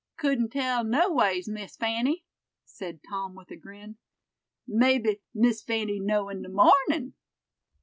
"Couldn't tell no ways, Miss Fanny," said Tom, with a grin. "Mebbe Miss Fanny know in de mornin'."